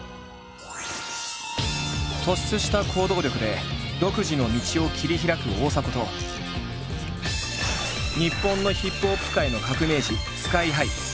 突出した行動力で独自の道を切り開く大迫と日本のＨＩＰＨＯＰ界の革命児ＳＫＹ−ＨＩ。